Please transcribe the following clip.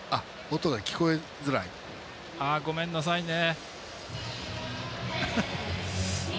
ごめんなさいね。